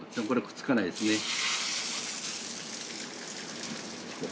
これくっつかないですね。